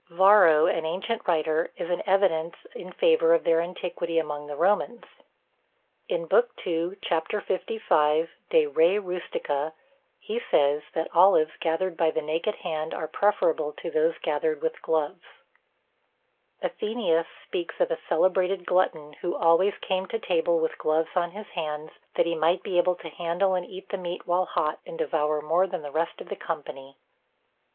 Varro, an ancient writer, is an evidence in favour of their antiquity among the Romans. In lib. ii. cap. 55, De Re Rusticâ, he says, that olives gathered by the naked hand are preferable to those gathered with gloves. Athenæus speaks of a celebrated glutton who always came to table with gloves on his hands, that he might be able to handle and eat the meat while hot, and devour more than the rest of the company.